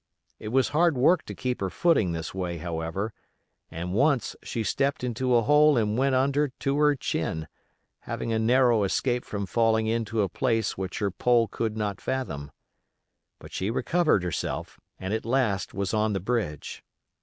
It was hard work to keep her footing this way, however, and once she stepped into a hole and went under to her chin, having a narrow escape from falling into a place which her pole could not fathom; but she recovered herself and at last was on the bridge.